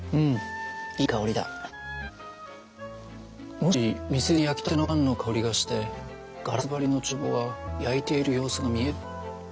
もし店中に焼きたてのパンの香りがしてガラス張りのちゅう房は焼いている様子が見える。